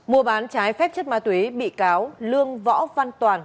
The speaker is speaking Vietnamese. mùa bán trái phép chất ma tuy bị cáo lương võ văn toàn